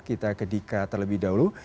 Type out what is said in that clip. kita ke dika terlebih dahulu